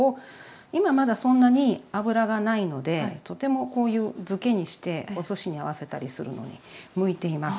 今まだそんなに脂がないのでとてもこういう漬けにしておすしに合わせたりするのに向いています。